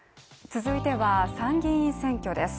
続いては、参議院選挙です。